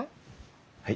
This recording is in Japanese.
はい。